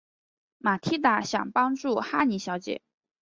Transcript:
玛蒂达想帮助哈妮小姐。